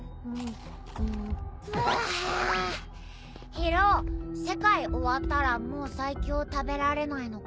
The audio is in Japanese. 宙世界終わったらもう最強食べられないのか？